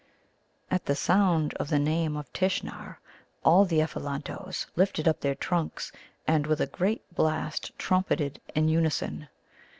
At the sound of the name of Tishnar all the Ephelantoes lifted up their trunks, and with a great blast trumpeted in unison.